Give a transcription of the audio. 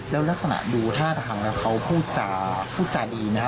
แล้วลักษณะดูท่าทางแล้วเขาพูดจาดีไหมฮ